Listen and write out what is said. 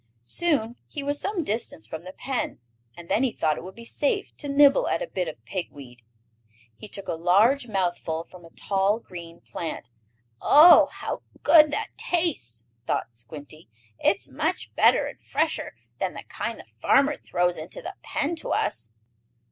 Soon he was some distance from the pen, and then he thought it would be safe to nibble at a bit of pig weed. He took a large mouthful from a tall, green plant. "Oh, how good that tastes!" thought Squinty. "It is much better and fresher than the kind the farmer throws into the pen to us."